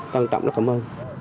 trân trọng lắc cảm ơn